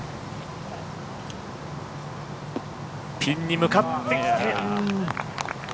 ピンに向かってきて。